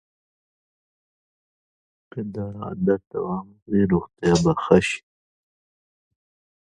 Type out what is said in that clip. که دا عادت دوام وکړي روغتیا به ښه شي.